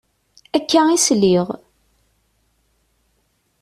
Akka i sliɣ.